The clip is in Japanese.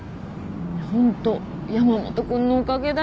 ホント山本君のおかげだよ。